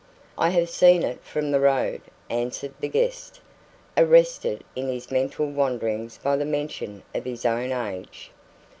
"I have seen it from the road," answered the guest, arrested in his mental wanderings by the mention of his own age.